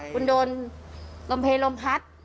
คุณโดนลมเพลลมพัด